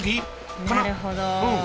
なるほど。